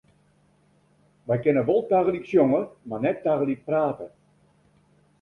Wy kinne wol tagelyk sjonge, mar net tagelyk prate.